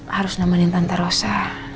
harus namanin tante rosa